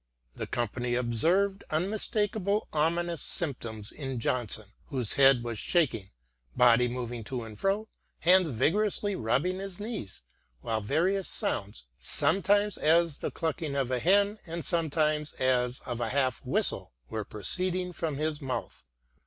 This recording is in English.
The company observed unmistak able ominous symptoms in Johnson, whose head was shaking, body moving to and fro, hands vigorously rubbing his knee, while various sounds, sometimes as of the clucking of a hen and some times as of a half whistle, were proceeding from his mouth.